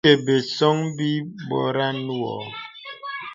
Ìndə̀ bəsōŋ bì bɔranə wɔ.